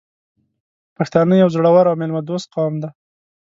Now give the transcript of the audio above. پښتانه یو زړور او میلمه دوست قوم دی .